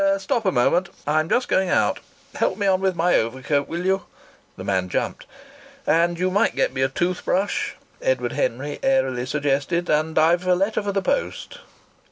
"Stop a moment. I'm just going out. Help me on with my overcoat, will you?" The man jumped. "And you might get me a tooth brush," Edward Henry airily suggested. "And I've a letter for the post."